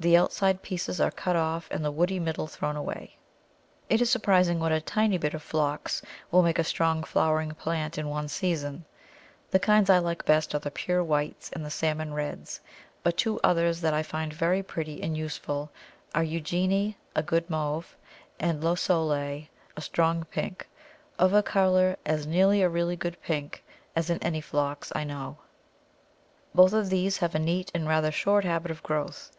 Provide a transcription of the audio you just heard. The outside pieces are cut off and the woody middle thrown away. It is surprising what a tiny bit of Phlox will make a strong flowering plant in one season. The kinds I like best are the pure whites and the salmon reds; but two others that I find very pretty and useful are Eugénie, a good mauve, and Le Soleil, a strong pink, of a colour as near a really good pink as in any Phlox I know. Both of these have a neat and rather short habit of growth.